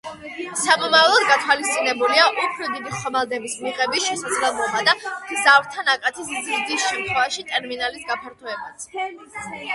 სამომავლოდ გათვალისწინებულია უფრო დიდი ხომალდების მიღების შესაძლებლობა და მგზავრთა ნაკადის ზრდის შემთხვევაში, ტერმინალის გაფართოებაც.